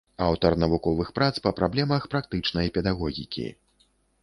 Аўтар навуковых прац па праблемах практычнай педагогікі.